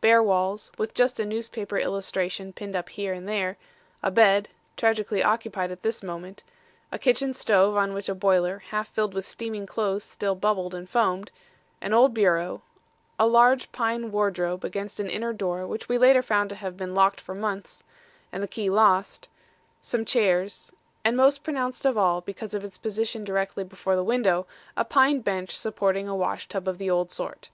Bare walls, with just a newspaper illustration pinned up here and there, a bed tragically occupied at this moment a kitchen stove on which a boiler, half filled with steaming clothes still bubbled and foamed, an old bureau, a large pine wardrobe against an inner door which we later found to have been locked for months, and the key lost, some chairs and most pronounced of all, because of its position directly before the window, a pine bench supporting a wash tub of the old sort.